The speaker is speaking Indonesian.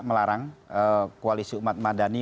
melarang koalisi umat madani